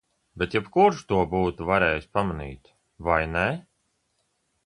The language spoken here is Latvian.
Bet jebkurš to būtu varējis pamanīt, vai ne?